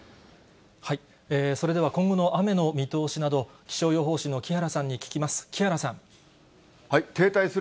それでは今後の雨の見通しなど、気象予報士の木原さんに聞きます。